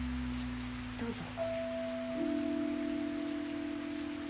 どうぞ。